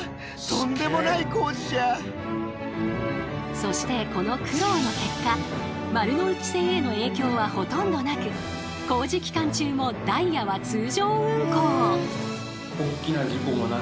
そしてこの苦労の結果丸ノ内線への影響はほとんどなく工事期間中もダイヤは通常運行。